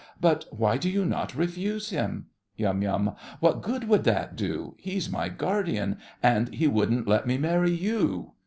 But why do you not refuse him? YUM. What good would that do? He's my guardian, and he wouldn't let me marry you!